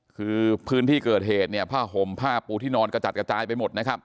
คือพื้นที่เกิดเหตุผ้าห่มผ้าปูที่นอนกระจัดกระจายไปหมด